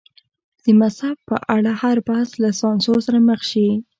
د مذهب په اړه هر بحث له سانسور سره مخ شي.